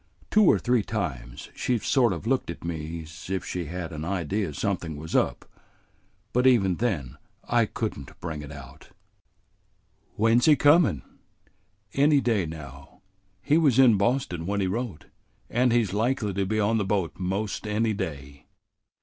Two or three times she's sort of looked at me 's if she had an idea something was up, but even then I could n't bring it out." "When 's he comin'?" "Any day now. He was in Boston when he wrote, and he's likely to be on the boat 'most any day."